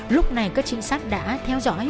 lúc này các trinh sát đã theo dõi